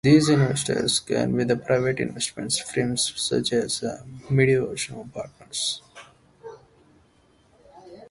These investors can be private investment firms such as MidOcean Partners.